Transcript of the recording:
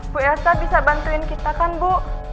bu elsa bisa bantuin kita kan bu